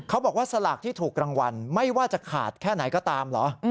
บอกว่าสลากที่ถูกรางวัลไม่ว่าจะขาดแค่ไหนก็ตามเหรอ